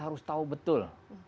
harus tahu betul